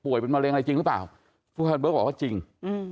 ป่วยเป็นมะเร็งอะไรจริงหรือเปล่าบอกว่าจริงอืม